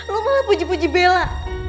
lo malah puji puji bela